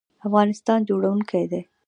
افغانستان جوړیدونکی دی